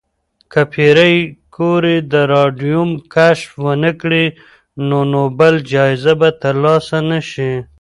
که پېیر کوري د راډیوم کشف ونکړي، نو نوبل جایزه به ترلاسه نه شي.